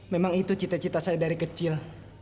memang itu cita cita saya dari kecil